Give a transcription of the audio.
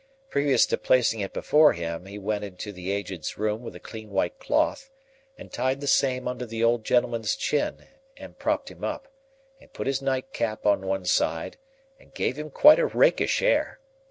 Previous to placing it before him, he went into the Aged's room with a clean white cloth, and tied the same under the old gentleman's chin, and propped him up, and put his nightcap on one side, and gave him quite a rakish air.